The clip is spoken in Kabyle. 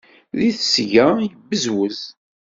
Di tesga yebbezwez.